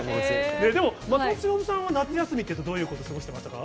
でも、松本志のぶさんは夏休みって、どういうこと過ごしてましたか？